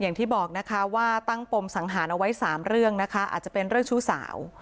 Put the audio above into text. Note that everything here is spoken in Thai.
อย่างที่บอกนะคะว่าตั้งปมสังหารเอาไว้๓เรื่องนะคะอาจจะเป็นเรื่องชู้สาว